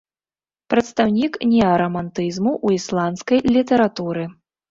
Прадстаўнік неарамантызму ў ісландскай літаратуры.